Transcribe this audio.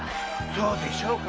そうでしょうか？